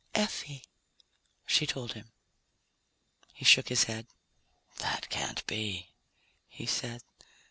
"Effie," she told him. He shook his head. "That can't be," he said.